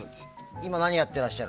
今、何やってらっしゃる？